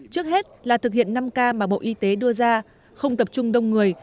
trước hết là thực hiện năm k mà bộ y tế đưa ra không tập trung đông người